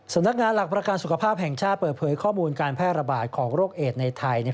สำนักงานหลักประกันสุขภาพแห่งชาติเปิดเผยข้อมูลการแพร่ระบาดของโรคเอดในไทย